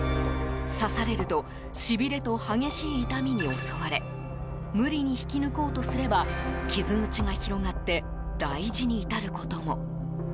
刺されるとしびれと激しい痛みに襲われ無理に引き抜こうとすれば傷口が広がって大事に至ることも。